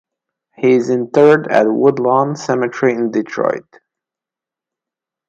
He is interred at Woodlawn Cemetery in Detroit.